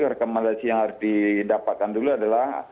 rekomendasi yang harus didapatkan dulu adalah